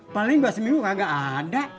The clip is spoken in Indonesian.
paling bahas mimu kagak ada